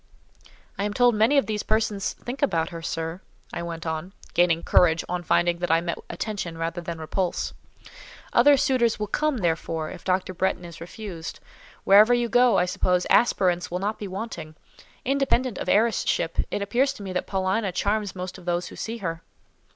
"I am told many of these persons think about her, sir," I went on, gaining courage on finding that I met attention rather than repulse. "Other suitors will come, therefore, if Dr. Bretton is refused. Wherever you go, I suppose, aspirants will not be wanting. Independent of heiress ship, it appears to me that Paulina charms most of those who see her."